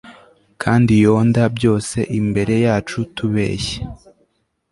kandi yonder byose imbere yacu tubeshya